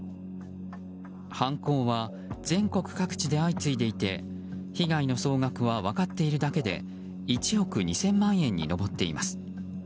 犯行は全国各地で相次いでいて被害の総額は分かっているだけで１億２０００万円に上っています。